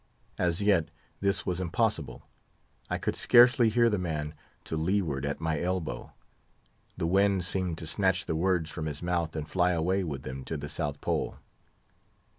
As yet, this was impossible; I could scarcely hear the man to leeward at my elbow; the wind seemed to snatch the words from his mouth and fly away with them to the South Pole.